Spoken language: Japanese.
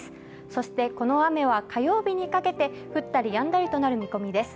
そしてこの雨は火曜日にかけて降ったりやんだりとなる見込みです。